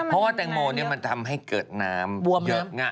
เพราะว่าแตงโมเนี่ยมันทำให้เกิดน้ำ